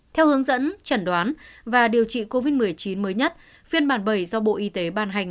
theo hướng dẫn chẩn đoán và điều trị covid một mươi chín mới nhất phiên bản bảy do bộ y tế ban hành